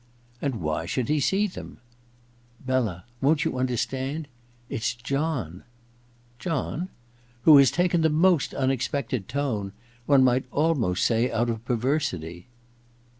And why should he see them ?Bella — worCt you understand ? It*s John.* ^John?* ^ Who has taken the most unexpected tone — one might almost say out of perversity.